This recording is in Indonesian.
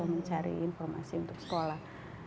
mencari informasi untuk sekolah